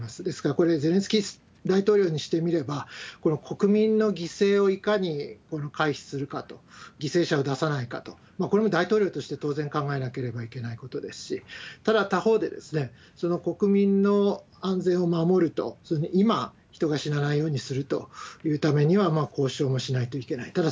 ですからこれ、ゼレンスキー大統領にしてみれば、この国民の犠牲をいかに回避するかと、犠牲者を出さないかと、これも大統領として当然考えなければいけないことですし、ただ他方で、その国民の安全を守ると、今、人が死なないようにするというためには、交渉もしないといけない。